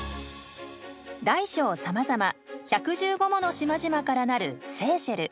大小さまざま１１５もの島々から成るセーシェル。